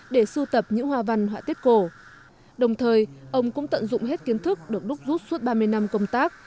đồng thời ông cũng tận dụng hết kiến thức được đúc rút suốt ba mươi năm công tác